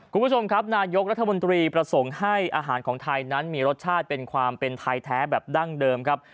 คุณผู้ชมครับนายกรัฐมนตรีประสงค์ให้อาหารของไทยนั้นมีรสชาติเป็นความเป็นไทยแท้แบบดั้งเดิมครับ